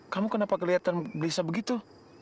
kamu kenapa kelihatan gelisah begitu